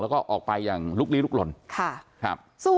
แล้วก็ออกไปอย่างลุกลี้ลุกลนค่ะครับ